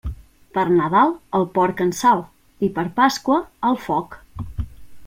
Per Nadal, el porc en sal, i per Pasqua, al foc.